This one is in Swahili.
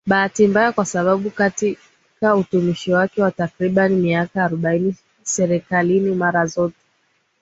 bahati mbaya kwa sababu katika utumishi wake wa takribani miaka arobaini serikalini mara zote